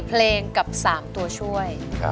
เพลงกับ๓ตัวช่วย